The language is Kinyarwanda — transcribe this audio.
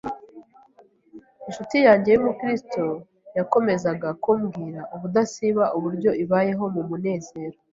Incuti yanjye y’umukristo yakomezaga kumbwira ubudasiba uburyo ibayeho mu munezero